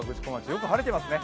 よく晴れてますね。